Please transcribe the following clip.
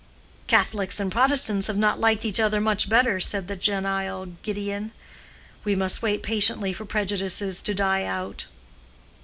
"Catholics and Protestants have not liked each other much better," said the genial Gideon. "We must wait patiently for prejudices to die out.